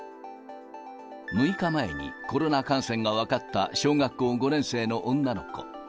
６日前にコロナ感染が分かった小学校５年生の女の子。